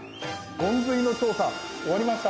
ゴンズイの調査終わりました！